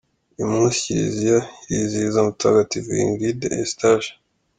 Uyu munsi Kiliziya irizihiza mutagatifu Ingrid, Eustache.